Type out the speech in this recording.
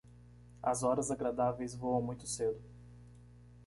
As horas agradáveis voam muito cedo.